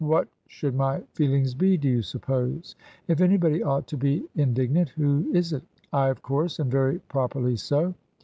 What should my feel ings be, do you suppose? If anybody ought to be in dignant, who is it? I, of course, and very properly so.